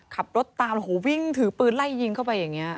ขับรถตามโอ้โหวิ่งถือปืนไล่ยิงเข้าไปอย่างนี้